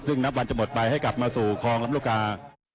ซึ่งนับวันจะหมดไปให้กลับมาสู่คลองลำลูกกา